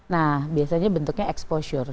nah biasanya bentuknya exposure